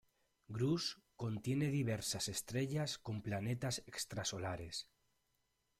Grus contiene diversas estrellas con planetas extrasolares.